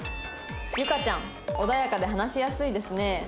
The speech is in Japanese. ゆかちゃん「穏やかで話しやすいですね」。